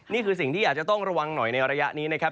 นี่คือสิ่งที่อาจจะต้องระวังหน่อยในระยะนี้นะครับ